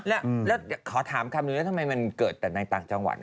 แล้วขอถามคำนึงแล้วทำไมมันเกิดแต่ในต่างจังหวัด